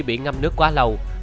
bị ngâm nước quá lâu